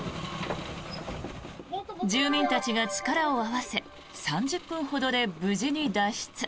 住民たちが力を合わせ３０分ほどで無事に脱出。